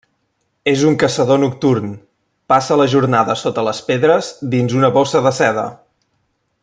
És un caçador nocturn; passa la jornada sota les pedres dins una bossa de seda.